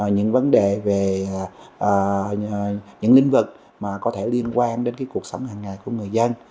những vấn đề về những lĩnh vực mà có thể liên quan đến cuộc sống hàng ngày của người dân